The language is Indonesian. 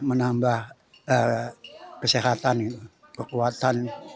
menambah kesehatan kekuatan